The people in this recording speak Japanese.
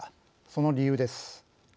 その理由です。